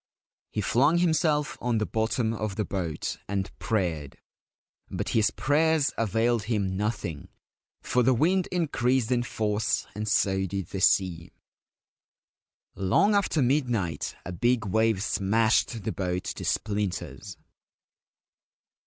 He flung himself on the bottom of the boat and prayed ; but his prayers availed him nothing, for the wind increased in force, and so did the sea. Long after midnight a big wave smashed the boat to splinters.